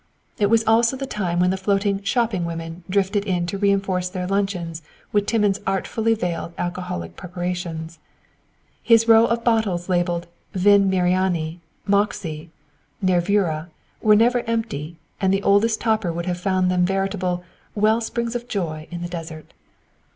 It was also the time when the floating "shopping women" drifted in to reinforce their luncheons with Timmins' artfully veiled alcoholic preparations. His row of bottles labelled "Vin Mariani," "Moxie," and "Nervura" were never empty, and the oldest toper would have found them veritable "well springs of joy in the desert."